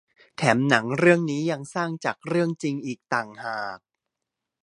แถมหนังเรื่องนี้ยังสร้างจากเรื่องจริงอีกต่างหาก